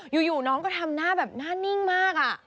อยู่น้องก็ทำหน้าแบบหน้านิ่งมาก